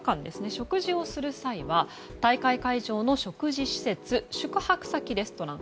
食事をする際は大会会場の食事施設宿泊先レストラン